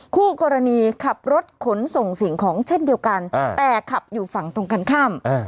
คู่กรณีขับรถขนส่งสิ่งของเช่นเดียวกันแต่ขับอยู่ฝั่งตรงกันข้าม